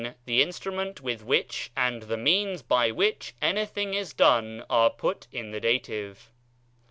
The instrument with which and the means by which anything is done are put in the dative.